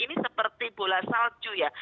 ini seperti bola salju ya